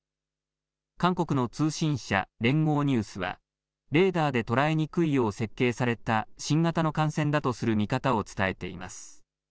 韓国の通信社、連合ニュースはレーダーで捉えにくいよう設計された新型の艦船だとする見方を伝えています。